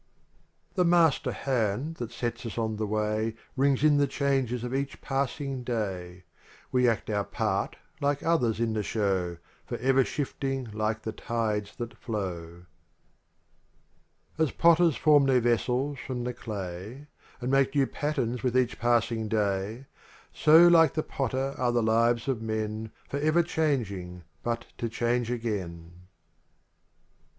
uevui The master hand that set us on the way Rings in the changes of each passing day. We act our part like others in the show. Forever shifting like the tides that Row. L3HX As potters form their vessels from the clay And make new patterns with each passing day, So like the porter are the lives of men Forever changing tut to change again.